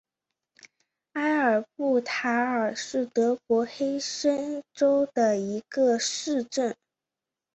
埃尔布塔尔是德国黑森州的一个市镇。